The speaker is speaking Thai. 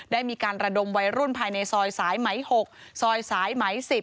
ได้มีการระดมวัยรุ่นภายในซอยสายไหม๖ซอยสายไหม๑๐